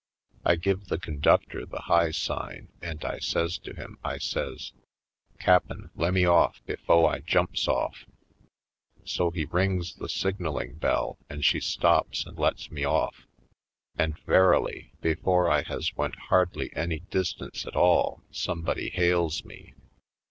I give the conductor the high sign and I says to him, I says: ''Cap'n, lemme off, befo' I jumps off!" So he rings the signalling bell and she stops and lets me off. And verily, before I has went hardly any distance at all, some body hails me.